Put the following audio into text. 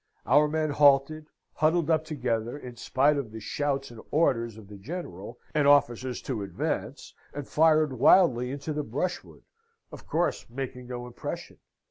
Our men halted, huddled up together, in spite of the shouts and orders of the General and officers to advance, and fired wildly into the brushwood of course making no impression.